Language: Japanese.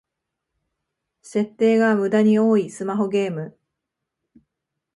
設定がムダに多いスマホゲーム